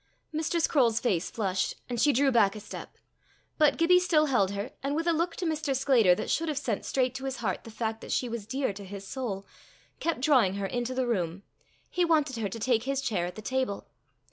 Mrs. Croale's face flushed, and she drew back a step. But Gibbie still held her, and with a look to Mr. Sclater that should have sent straight to his heart the fact that she was dear to his soul, kept drawing her into the room; he wanted her to take his chair at the table.